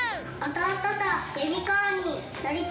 弟とユニコーンに乗りたいな。